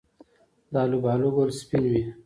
د الوبالو ګل سپین وي؟